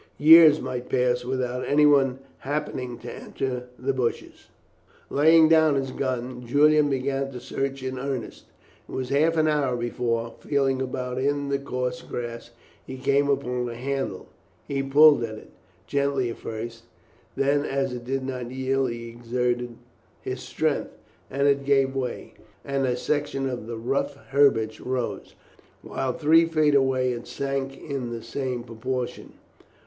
Years might pass without anyone happening to enter the bushes. Laying down his gun, Julian began to search in earnest. It was half an hour before, feeling about in the coarse grass, he came upon a handle. He pulled at it, gently at first, then as it did not yield, he exerted his strength, and it gave way, and a section of the rough herbage rose, while three feet away it sank in the same proportion.